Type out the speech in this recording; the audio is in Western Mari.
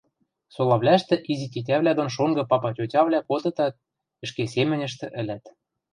Солавлӓштӹ изи тетявлӓ дон шонгы папа-тьотявлӓ кодытат, ӹшке семӹньӹштӹ ӹлӓт.